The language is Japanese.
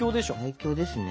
最強ですね。